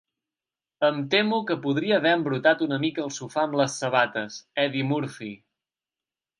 Em temo que podria haver embrutat una mica el sofà amb les sabates, Eddie Murphy.